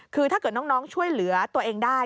คือถ้าเกิดน้องช่วยเหลือตัวเองได้